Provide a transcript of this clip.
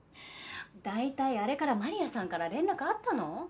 大体あれからマリアさんから連絡あったの？